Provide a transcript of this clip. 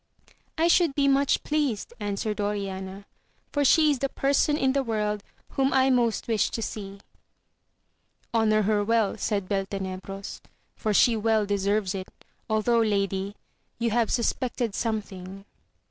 I should be much pleased, answered Oriana, for she is the person in the world whom I most wish to see. Honour AMADIS OF GAUL. 41 her well, said Beltenebros, for she well deserves it, although, lady, you have suspected something.